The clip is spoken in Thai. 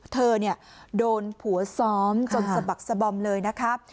เธอโดนผัวซ้อมจนสะบักสะบอมเลยนะครับ